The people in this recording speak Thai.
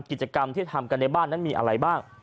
กิจกรรมที่ทำกันในบ้านนั้นมีอะไรบ้าง